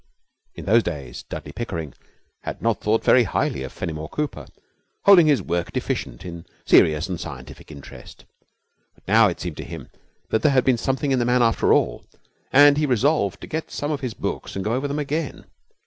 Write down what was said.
In those days Dudley Pickering had not thought very highly of Fenimore Cooper, holding his work deficient in serious and scientific interest; but now it seemed to him that there had been something in the man after all, and he resolved to get some of his books and go over them again.